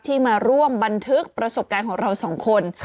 มาร่วมบันทึกประสบการณ์ของเราสองคน